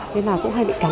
thế là cũng hay bị cắn